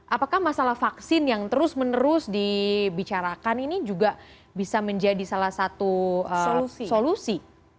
apakah masalah vaksin yang terus menerus dibicarakan ini juga bisa menjadi salah satu solusi